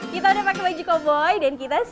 kita udah pakai baju koboi dan kita